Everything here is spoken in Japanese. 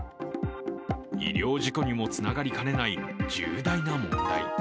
医療事故にもつながりかねない重大な問題。